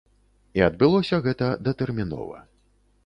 І адбылося гэта датэрмінова.